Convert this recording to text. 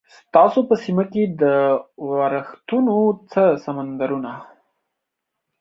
ستاسو په سیمه کې د ورښتونو څه سمندرونه؟